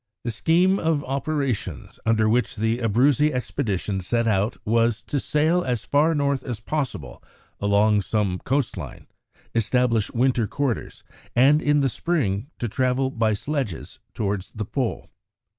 The scheme of operations under which the Abruzzi expedition set out was to sail as far north as possible along some coast line, establish winter quarters, and, in the spring, to travel by sledges towards the Pole.